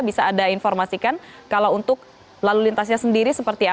bisa anda informasikan kalau untuk lalu lintasnya sendiri seperti apa